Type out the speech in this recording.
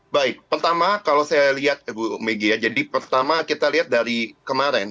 baik pertama kalau saya lihat bu megi ya jadi pertama kita lihat dari kemarin